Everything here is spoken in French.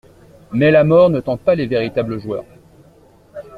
Mais la mort ne tente pas les véritables joueurs.